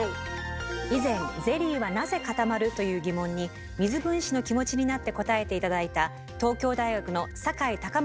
以前「ゼリーはなぜ固まる？」という疑問に水分子の気持ちになって答えて頂いた東京大学の酒井崇匡教授。